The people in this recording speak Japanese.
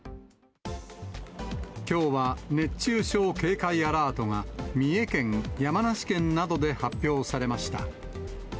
きょうは熱中症警戒アラートが三重県、山梨県などで発表されました。